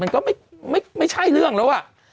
มันก็ไม่ใช่เรื่องแล้วอ่ะ